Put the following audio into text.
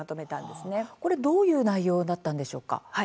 これ、どういう内容だったんでしょうか？